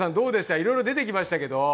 いろいろ出てきましたけど。